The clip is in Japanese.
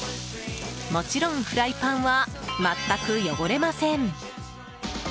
もちろんフライパンは全く汚れません。